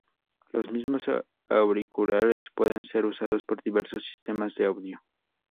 Los mismos auriculares pueden ser usados por diversos sistemas de audio.